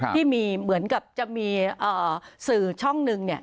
ที่มีเหมือนกับจะมีสื่อช่องหนึ่ง